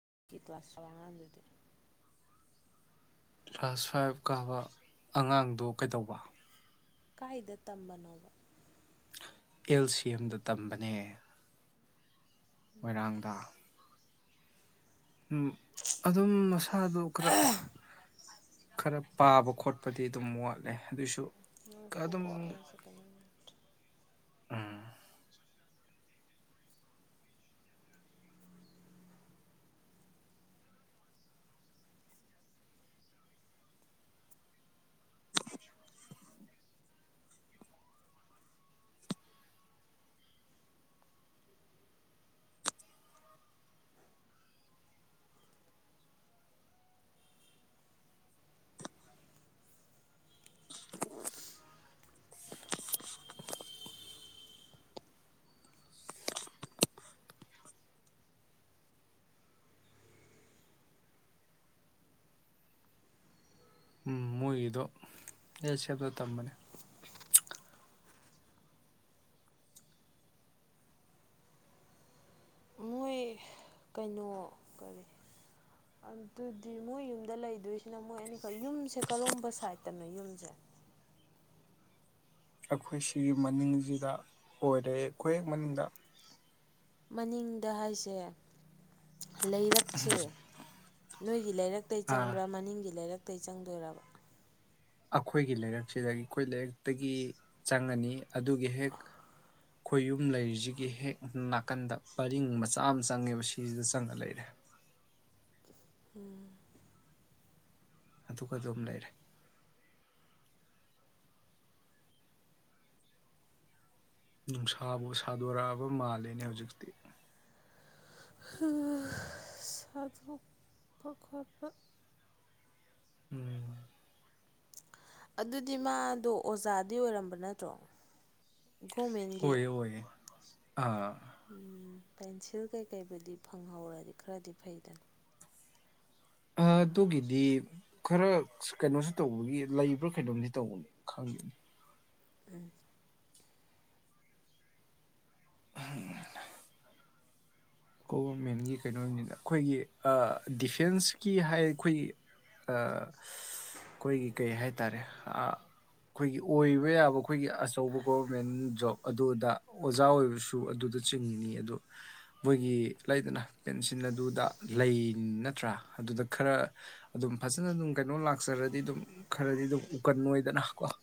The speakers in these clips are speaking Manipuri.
[inaudible] ꯀ꯭ꯂꯥꯁ ꯐꯥꯏꯚ ꯀꯥꯕ ꯑꯉꯥꯡꯗꯣ ꯀꯩꯗꯧꯕ ꯀꯥꯏꯗ ꯇꯝꯕꯅꯣꯕ ꯑꯦꯜ ꯁꯤ ꯑꯦꯝꯗ ꯇꯝꯕꯅꯦ ꯃꯣꯏꯔꯥꯡꯗ ꯎꯝ ꯑꯗꯨꯝ ꯃꯁꯥꯗꯨ ꯈꯔ ꯈꯔ ꯄꯥꯕ ꯈꯣꯠꯄꯗꯤ ꯑꯗꯨꯝ ꯋꯥꯠꯂꯦ ꯑꯗꯨꯏꯁꯨ ꯉꯥꯏꯈꯣꯀꯣ ꯑꯗꯨꯝ ꯑꯩ ꯑꯁꯤ ꯀꯩꯅꯣꯝ ꯇꯧꯗ꯭ꯔꯤ ꯎꯝ ꯃꯣꯏꯒꯤꯗꯣ ꯑꯦꯜꯁꯤ ꯑꯦꯝꯗ ꯇꯝꯕꯅꯦ ꯑꯈꯣꯏ ꯀꯩꯅꯣ ꯀꯔꯤ ꯑꯗꯨꯗꯤ ꯃꯣꯏ ꯌꯨꯝꯗ ꯂꯩꯗꯣꯏꯁꯤꯅ ꯃꯣꯏ ꯑꯅꯤꯈꯛ ꯌꯨꯝꯁꯦ ꯀꯔꯣꯝꯕ ꯁꯥꯏꯠꯇꯅꯣ ꯌꯨꯝꯁꯦ [inaudible] ꯑꯈꯣꯏ ꯁꯤꯒꯤ ꯃꯅꯤꯡꯁꯤꯗ ꯑꯣꯏꯔꯦ ꯑꯩꯈꯣꯏ ꯍꯦꯛ ꯃꯅꯤꯡꯗ ꯃꯅꯤꯡꯗ ꯍꯥꯏꯁꯦ ꯂꯩꯔꯛꯁꯦ ꯅꯣꯏ ꯒꯤ ꯂꯩꯔꯛꯇꯇꯩ ꯑꯥ ꯆꯪꯕ꯭ꯔꯥ ꯃꯅꯤꯡꯒꯤ ꯂꯩꯔꯛꯇꯒꯤ ꯆꯪꯗꯣꯏꯔꯕ ꯑꯈꯣꯏꯒꯤ ꯂꯩꯔꯛꯁꯤꯗ ꯑꯈꯣꯏ ꯂꯩꯔꯛꯇꯒꯤ ꯆꯪꯉꯅꯤ ꯑꯗꯨꯒꯤ ꯍꯦꯛ ꯈꯣꯏꯌꯨꯝ ꯂꯩꯔꯤꯁꯤꯒꯤ ꯍꯦꯛ ꯅꯥꯀꯟꯗ ꯄꯔꯤꯡ ꯃꯆꯥ ꯑꯃ ꯆꯪꯉꯦꯕ ꯁꯤꯁꯤꯗ ꯆꯪꯉ ꯂꯩꯔꯦ [inaudible] ꯎꯝ ꯑꯗꯨꯒ ꯑꯗꯨꯝ ꯂꯩꯔꯦ ꯅꯨꯡꯁꯥꯕꯨ ꯁꯥꯗꯣꯔꯛꯑꯕ ꯃꯥꯜꯂꯤꯅꯦ ꯍꯧꯖꯤꯛꯇꯤ ꯍꯥ ꯁꯥꯗꯣꯛꯄ ꯈꯣꯠꯄ ꯎꯝ ꯑꯗꯨꯗꯤ ꯃꯥꯗꯣ ꯑꯣꯖꯥꯗꯤ ꯑꯣꯏꯔꯝꯕ ꯅꯠꯇ꯭ꯔꯣ ꯒꯣꯔꯃꯦꯟꯒꯤ ꯑꯣꯏꯌꯦ ꯑꯣꯏꯌꯦ ꯑꯥ ꯄꯦꯟꯁꯤꯜ ꯀꯩꯀꯩꯕꯨꯗꯤ ꯐꯪꯍꯧꯔꯗꯤ ꯈꯔꯗꯤ ꯐꯩꯗꯅ ꯑꯥ ꯗꯨꯒꯤꯗꯤ ꯈꯔ ꯀꯩꯅꯣꯁꯨ ꯇꯧꯕꯒꯤ ꯂꯩꯕ꯭ꯔꯥ ꯀꯩꯅꯣꯝꯗꯤ ꯇꯧꯕꯅꯤ ꯈꯪꯗꯦ ꯎꯝ [unintelligible] ꯒꯣꯚ꯭ꯔꯃꯦꯟꯒꯤ ꯀꯩꯅꯣꯅꯤꯅ ꯑꯩꯈꯣꯏꯒꯤ ꯑꯥ ꯗꯤꯐꯦꯟꯁꯀꯤ ꯍꯥꯏ ꯑꯩꯈꯣꯏꯒꯤ ꯑꯥ ꯑꯩꯈꯣꯏꯒꯤ ꯀꯩ ꯍꯥꯏꯇꯥꯔꯦ ꯑꯥ ꯑꯩꯈꯣꯏꯒꯤ ꯑꯣꯏꯕ ꯌꯥꯕ ꯑꯩꯈꯣꯏꯒꯤ ꯑꯆꯧꯕ ꯒꯣꯕ꯭ꯔꯃꯦꯟ ꯖꯣꯕ ꯑꯗꯨꯗ ꯑꯣꯖꯥ ꯑꯣꯏꯕꯁꯨ ꯑꯗꯨ ꯑꯗꯨ ꯆꯤꯡꯉꯤꯅꯤ ꯑꯗꯨ ꯃꯣꯏꯒꯤ ꯂꯩꯗꯅ ꯄꯦꯟꯁꯤꯜ ꯑꯗꯨꯗ ꯂꯩ ꯅꯠꯇ꯭ꯔꯥ ꯑꯗꯨꯗ ꯈꯔ ꯑꯗꯨꯝ ꯐꯖꯅ ꯑꯗꯨꯝ ꯀꯩꯅꯣ ꯂꯥꯛꯆꯔꯗꯤ ꯑꯗꯨꯝ ꯈꯔꯗꯤ ꯑꯗꯨꯝ ꯎꯀꯟ ꯑꯣꯏꯗꯅ ꯀꯣ [inaudible]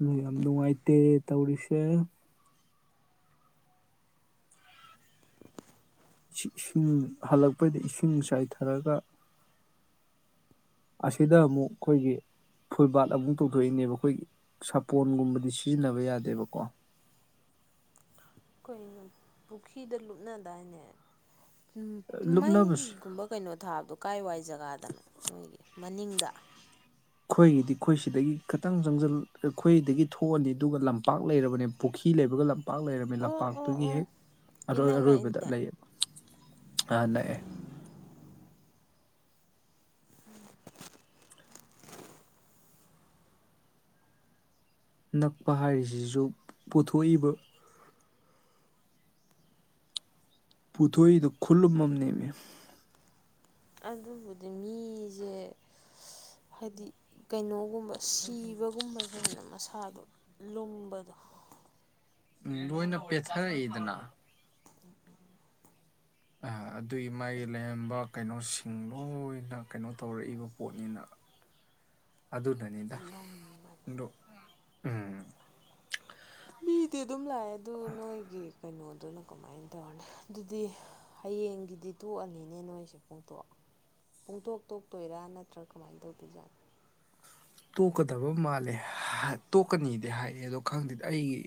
ꯅꯣꯏ ꯌꯥꯝ ꯅꯨꯡꯉꯥꯏꯇꯦ ꯇꯧꯔꯤꯁꯦ ꯏꯁꯤꯡ ꯁꯤꯡ ꯍꯜꯂꯛꯄꯩꯗ ꯏꯁꯤꯡ ꯆꯥꯏꯊꯔꯒ ꯑꯁꯤꯗ ꯑꯃꯨꯛ ꯑꯩꯈꯣꯏꯒꯤ ꯐꯨꯜꯕꯥꯠ ꯑꯃꯨꯛ ꯇꯧꯊꯣꯛꯏꯅꯦꯕ ꯑꯩꯈꯣꯏꯒꯤ ꯁꯥꯄꯣꯟꯒꯨꯝꯕꯗꯤ ꯁꯤꯖꯤꯟꯅꯕ ꯌꯥꯗꯦꯕꯀꯣ ꯎꯝ ꯄꯨꯈ꯭ꯔꯤꯗ ꯂꯨꯞꯅꯗꯥꯏꯅꯦ ꯂꯨꯞꯅꯕꯁꯨ ꯃꯩꯒꯨꯝꯕ ꯀꯩꯅꯣ ꯊꯥꯕꯗꯣ ꯀꯥꯏ ꯋꯥꯏ ꯖꯒꯥꯗꯅꯣ ꯅꯣꯏꯒꯤ ꯃꯅꯤꯡꯗ ꯑꯩꯈꯣꯏꯒꯤꯗꯤ ꯑꯩꯈꯣꯏ ꯁꯤꯗꯒꯤ ꯈꯇꯪ ꯆꯪꯖꯤꯜ ꯑꯩꯈꯣꯏꯗꯒꯤ ꯊꯣꯛꯑꯅꯤ ꯑꯗꯨꯒ ꯂꯝꯄꯥꯛ ꯂꯩꯔꯕꯅꯦ ꯄꯨꯈꯤ ꯈꯤ ꯂꯩꯕꯒ ꯂꯝꯄꯥꯛ ꯂꯩꯔꯕꯅꯦ ꯑꯣ ꯑꯣ ꯂꯝꯄꯥꯛꯇꯨꯒꯤ ꯑꯣ ꯍꯦꯛ ꯑꯔꯣꯏ ꯏꯅꯛ ꯑꯔꯣꯏꯕꯗ ꯅꯛꯏꯅꯦ ꯂꯩꯌꯦ ꯑꯥ ꯅꯛꯑꯦ ꯅꯛꯄ ꯍꯥꯏꯔꯤꯖꯤꯖꯨ ꯄꯨꯊꯣꯛꯏꯕ ꯄꯨꯊꯣꯛꯏꯗꯣ ꯈꯨꯜꯂꯨꯝ ꯑꯃꯅꯦꯃꯦ ꯑꯗꯨꯕꯨꯗꯤ ꯃꯤꯁꯦ ꯍꯥꯏꯗꯤ ꯀꯩꯅꯣ ꯒꯨꯝꯕ ꯁꯤꯕꯒꯨꯝꯕꯖꯤꯅ ꯍꯦꯟꯅ ꯃꯁꯥꯗꯣ ꯂꯨꯡꯕꯗꯣ ꯎꯝ ꯂꯣꯏꯅ ꯄꯦꯊꯔꯛꯏꯗꯅ ꯑꯥ ꯑꯗꯨꯒꯤ ꯃꯥꯒꯤ ꯂꯩꯔꯝꯕ ꯀꯩꯅꯣꯁꯤꯡ ꯂꯣꯏꯅ ꯀꯩꯅꯣ ꯇꯧꯔꯛꯏꯕ ꯄꯣꯠꯅꯤꯅ [inaudible] ꯑꯗꯨꯅꯅꯤꯗ ꯂꯨꯝꯕꯅꯦ ꯑꯗꯣ ꯎꯝ ꯄꯤꯗꯤ ꯑꯗꯨꯝ ꯂꯥꯛꯑꯦ ꯑꯗꯨ ꯅꯣꯏꯒꯤ ꯀꯩꯅꯣꯗꯨꯅ ꯀꯃꯥꯏꯅ ꯇꯧꯔꯅꯤ ꯑꯗꯨꯗꯤ ꯍꯌꯦꯡꯒꯤꯗꯤ ꯇꯣꯛꯑꯅꯤꯅꯦ ꯅꯣꯏꯁꯦ ꯄꯨꯡꯇꯣꯛ ꯄꯨꯡꯇꯣꯛ ꯇꯣꯛꯇꯣꯏꯔꯥ ꯅꯠꯇ꯭ꯔꯥ ꯀꯃꯥꯏꯅ ꯇꯧꯗꯣꯏꯖꯥꯠꯅꯣ ꯇꯣꯛꯀꯗꯕ ꯃꯥꯜꯂꯦ ꯇꯣꯛꯀꯅꯤꯗꯤ ꯍꯥꯏꯑꯦ ꯑꯗꯣ ꯈꯪꯗꯦ ꯑꯩꯒꯤ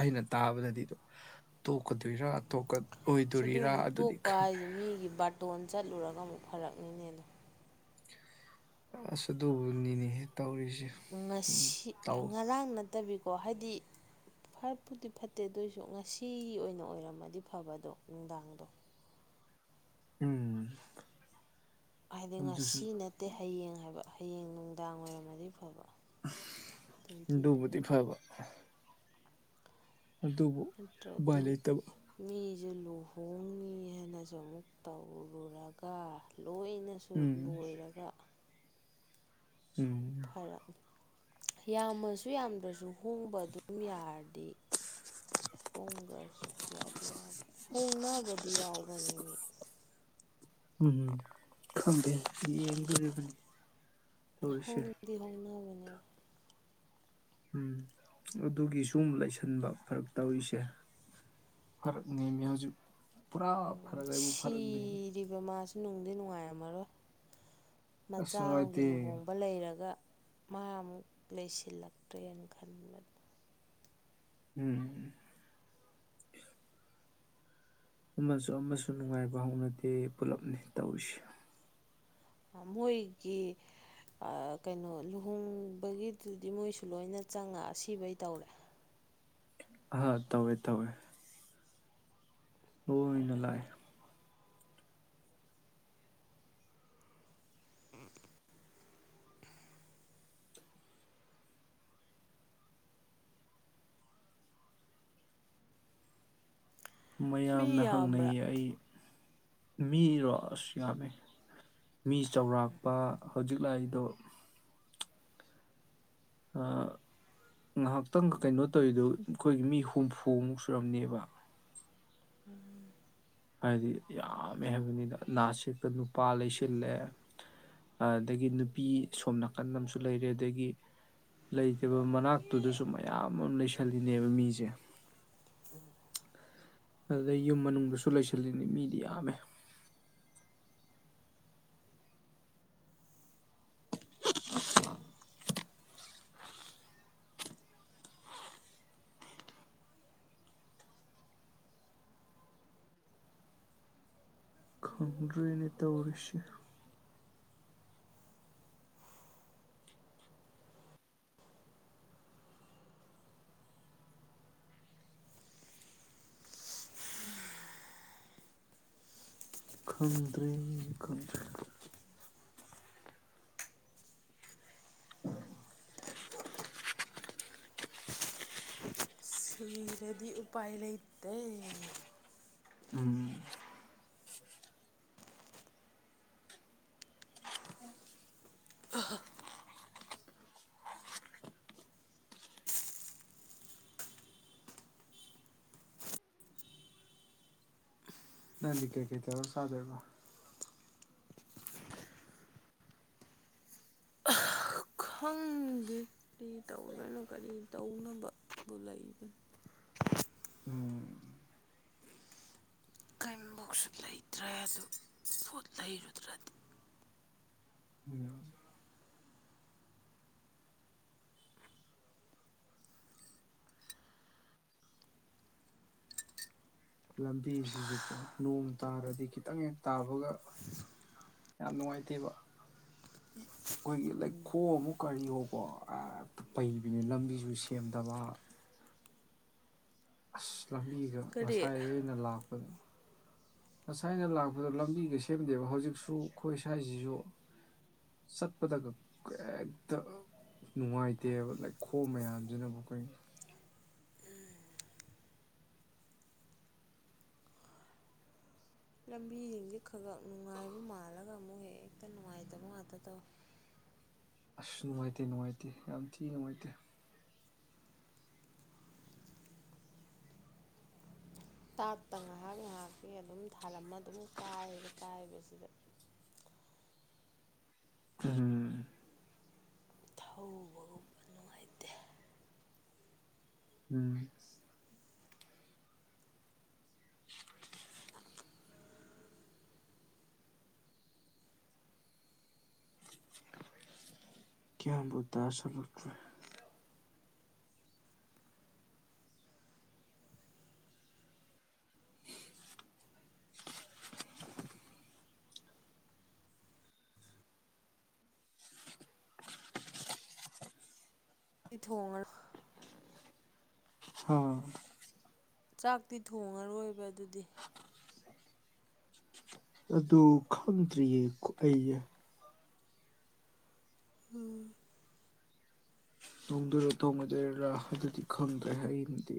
ꯑꯩꯅ ꯇꯥ ꯇꯕꯗꯗꯤ ꯗꯣ ꯇꯣꯛꯀꯗꯨꯏꯔ ꯇꯣꯛꯀ ꯑꯁ ꯑꯗꯨ ꯑꯃꯨꯛ ꯇꯣꯛꯄ ꯍꯥꯏꯁꯦ ꯃꯤꯒꯤ ꯕꯥꯔꯇꯣꯟ ꯆꯠꯂꯨꯔꯒ ꯑꯃꯨꯛ ꯐꯔꯛꯅꯤꯅꯦ ꯑꯗꯨ ꯑꯁ ꯑꯗꯨꯕꯨꯅꯤꯅꯦ ꯉꯁꯤ ꯉꯔꯥꯡ ꯅꯠꯇꯕꯤꯀꯣ ꯍꯥꯏꯗꯤ ꯐꯠꯄꯨꯗꯤ ꯐꯠꯇꯦ ꯑꯗꯨꯑꯣꯏꯁꯨ ꯉꯁꯤ ꯑꯣꯏꯅ ꯑꯣꯏꯔꯝꯃꯗꯤ ꯐꯕꯗꯣ ꯅꯨꯡꯗꯥꯡꯗꯣ ꯎꯝ ꯍꯥꯏꯗꯤ ꯑꯗꯨꯁꯨ ꯉꯁꯤ ꯅꯠꯇꯦ ꯍꯌꯦꯡ ꯍꯥꯏꯕ ꯍꯌꯦꯡ ꯅꯨꯡꯗꯥꯡ ꯑꯣꯏꯔꯝꯃꯗꯤ ꯐꯕ ꯇ꯭ꯋꯦꯟꯇꯤ ꯑꯗꯨꯕꯨꯗꯤ ꯁꯚꯦꯟ ꯐꯕ ꯑꯗꯨꯕꯨ ꯎꯄꯥꯏ ꯂꯩꯇꯕ ꯖꯦ ꯂꯨꯍꯣꯡꯅꯤꯅ ꯍꯥꯏꯅꯁꯨ ꯑꯃꯨꯛ ꯇꯧꯔꯨꯔꯒ ꯂꯣꯏꯅꯁꯨ ꯎꯝ ꯂꯣꯏꯔꯒ ꯎꯝ ꯐꯔꯛ ꯌꯥꯝꯃꯁꯨ ꯌꯥꯝꯗ꯭ꯔꯁꯨ ꯍꯣꯡꯕ ꯑꯗꯨꯝ ꯌꯥꯔꯗꯤ ꯍꯣꯡꯈ꯭ꯔꯁꯨ ꯌꯥꯗꯤ ꯌꯥꯕꯅꯤ ꯍꯣꯡꯅꯕꯗꯤ ꯌꯥꯎꯕꯅꯦ ꯃꯤ ꯎꯝ ꯈꯪꯗꯦ ꯌꯦꯡꯗꯨꯔꯤꯕꯅꯤ ꯍꯣꯡꯗꯤ ꯍꯣꯡꯅꯕꯅꯦ ꯎꯝ ꯑꯗꯨꯒꯤ ꯁꯨꯝ ꯂꯩꯁꯟꯕ ꯐꯔꯛ ꯇꯧꯔꯤꯁꯦ ꯐꯔꯛꯅꯦꯃꯦ ꯍꯧꯖꯤꯛ ꯄꯨꯔꯥ ꯐꯔꯛ ꯍꯥꯏꯕꯨ ꯐꯔꯛꯅꯦꯃꯤ ꯁꯤꯔꯤꯕ ꯃꯥꯁꯨ ꯅꯨꯡꯗꯤ ꯅꯨꯡꯉꯥꯏꯔꯝꯃꯔꯣꯏ ꯑꯁ ꯃꯆꯥ ꯑꯃꯒꯤ ꯅꯨꯡꯉꯥꯏꯇꯦ ꯂꯨꯍꯣꯡꯕ ꯂꯩꯔꯒ ꯃꯥ ꯑꯃꯨꯛ ꯂꯩꯁꯤꯜꯂꯛꯇ꯭ꯔꯦꯅ ꯈꯟꯕꯗ ꯎꯝ ꯑꯃꯁꯨ ꯑꯃꯁꯨ ꯅꯨꯡꯉꯥꯏꯕ ꯍꯧꯅꯗꯦ ꯄꯨꯂꯞꯅꯦ ꯇꯧꯔꯤꯁꯦ ꯃꯣꯏꯒꯤ ꯑꯥ ꯀꯩꯅꯣ ꯂꯨꯍꯣꯡꯕꯒꯤꯗꯨꯗꯤ ꯃꯣꯏꯁꯨ ꯂꯣꯏꯅ ꯆꯪꯉ ꯑꯁꯤꯕꯩ ꯇꯧꯔꯦ ꯑꯍꯥ ꯇꯧꯋꯦ ꯇꯧꯋꯦ ꯂꯣꯏꯅ ꯂꯥꯛꯑꯦ ꯐꯔꯛꯅꯦ ꯃꯤ ꯃꯌꯥꯝꯅ ꯌꯥꯝꯕ꯭ꯔꯥ ꯍꯪꯅꯩꯌꯦ ꯑꯩ ꯃꯤꯔꯣ ꯑꯁ ꯌꯥꯝꯃꯦ ꯃꯤ ꯆꯥꯎꯔꯥꯛꯄ ꯍꯧꯖꯤꯛ ꯂꯥꯛꯏꯗꯣ ꯑꯥ ꯉꯥꯏꯍꯥꯛꯇꯪ ꯀꯩꯅꯣ ꯇꯧꯔꯤꯗꯨ ꯑꯩꯈꯣꯏꯒꯤ ꯃꯤ ꯍꯨꯝꯐꯨꯃꯨꯛ ꯁꯨꯔꯝꯅꯦꯕ ꯎꯝ ꯍꯥꯏꯗꯤ ꯌꯥꯝꯃꯦ ꯍꯥꯏꯕꯅꯤꯅ ꯂꯥꯁ ꯁꯤꯠꯇ ꯅꯨꯄꯥ ꯂꯩꯁꯤꯜꯂꯦ ꯑꯗꯒꯤ ꯅꯨꯄꯤ ꯁꯣꯝ ꯅꯥꯀꯟ ꯑꯃꯁꯨ ꯂꯩꯔꯦ ꯑꯗꯒꯤ ꯂꯩꯇꯕ ꯃꯅꯥꯛꯇꯨꯗꯁꯨ ꯃꯌꯥꯝ ꯑꯃ ꯂꯩꯁꯜꯂꯤꯅꯦꯕ ꯃꯤꯖꯦ ꯑꯗꯨꯗꯩ ꯌꯨꯝ ꯃꯅꯨꯡꯗꯁꯨ ꯂꯩꯁꯤꯜꯂꯤꯅꯤ ꯃꯤꯗꯤ ꯌꯥꯝꯃꯦ ꯗꯨꯅꯦ ꯇꯧꯔꯤꯁꯤ ꯈꯪꯗ꯭ꯔꯦꯅꯦ ꯈꯪꯗ꯭ꯔꯦ ꯁꯤꯔꯗꯤ ꯎꯄꯥꯏ ꯂꯩꯇꯦ ꯎꯝ ꯅꯪꯗꯤ ꯀꯩ ꯀꯩ ꯇꯧꯔꯒ ꯆꯥꯗꯣꯏꯕ ꯂꯣꯏꯅ ꯀꯔꯤ ꯇꯧꯅꯕꯕꯨ ꯂꯩꯕꯅꯣ ꯑꯝꯕꯣꯛꯁꯨ ꯂꯩꯇ꯭ꯔꯦ ꯑꯗꯨ ꯄꯣꯠ ꯂꯩꯔꯨꯗ꯭ꯔꯗꯤ ꯂꯝꯕꯤꯁꯤꯁꯨꯀꯣ ꯅꯣꯡ ꯇꯥꯔꯗꯤ ꯈꯤꯇꯪ ꯍꯦꯛ ꯇꯥꯕꯒ ꯌꯥꯝ ꯅꯨꯡꯉꯥꯏꯇꯦꯕ ꯑꯩꯈꯣꯏꯒꯤ ꯂꯩꯈꯣꯝ ꯑꯣ ꯀꯔꯤꯑꯣ ꯀꯣ ꯑꯥ ꯍꯦꯛꯇ ꯄꯩꯕꯤꯅꯦ ꯂꯝꯕꯤꯁꯨ ꯁꯦꯝꯗꯕ ꯑꯁ ꯂꯝꯕꯤꯒ ꯀꯔꯤ ꯉꯁꯥꯏ ꯑꯩꯅ ꯂꯥꯛꯄꯗ ꯉꯁꯥꯏꯅ ꯂꯥꯛꯄꯗ ꯂꯝꯕꯤꯒ ꯁꯦꯝꯗꯦꯕ ꯍꯧꯖꯤꯛꯁꯨ ꯑꯩꯈꯣꯏ ꯁ꯭ꯋꯥꯏꯁꯤꯁꯨ ꯁꯠꯄꯗꯒ ꯍꯦꯛꯇ ꯅꯨꯡꯉꯥꯏꯇꯦꯕ ꯂꯩꯈꯣꯝ ꯃꯌꯥꯝꯁꯤꯅꯕꯨ ꯀꯩꯅꯣ ꯂꯝꯕꯤꯁꯤꯡꯁꯦ ꯈꯒ ꯅꯨꯡꯉꯥꯏꯕ ꯃꯥꯜꯂꯒ ꯑꯃꯨꯛ ꯍꯦꯛꯇ ꯅꯨꯡꯉꯥꯏꯇꯕ ꯉꯥꯛꯇ ꯇꯧꯋꯤ ꯑꯁ ꯅꯨꯡꯉꯥꯏꯇꯦ ꯅꯨꯡꯉꯥꯏꯇꯦ ꯌꯥꯝ ꯊꯤ ꯅꯨꯡꯉꯥꯏꯇꯦ ꯇꯥꯠꯇ ꯉꯥꯏꯍꯥꯛ ꯉꯥꯏꯍꯥꯛꯀꯤ ꯑꯗꯨꯝ ꯊꯥꯜꯔꯃ ꯑꯗꯨꯝ ꯀꯥꯏꯌꯦꯕ ꯀꯥꯏꯕꯁꯤꯗ ꯎꯝ ꯍꯨ ꯊꯧꯕꯒꯨꯝꯕ ꯅꯨꯡꯉꯥꯏꯇꯦ ꯎꯝ ꯒ꯭ꯌꯥꯟꯕꯨ ꯇꯥꯁꯜꯂꯛꯇ꯭ꯔꯦ ꯏꯊꯣꯡꯉꯔꯣ ꯍꯥ ꯆꯥꯛꯇꯤ ꯊꯣꯡꯉꯔꯣꯏꯕ ꯑꯗꯨꯗꯤ ꯑꯗꯨ ꯈꯪꯗ꯭ꯔꯤꯌꯦ ꯀ ꯑꯩꯖꯦ ꯎꯝ ꯊꯣꯡꯗꯨꯏꯔꯣ ꯊꯣꯡꯉꯣꯏꯗꯨꯏꯔ ꯑꯗꯨꯗꯤ ꯈꯡꯗ꯭ꯔꯦ ꯑꯩꯅꯗꯤ